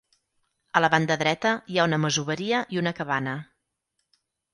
A la banda dreta hi ha una masoveria i una cabana.